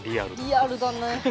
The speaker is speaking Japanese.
リアルだね。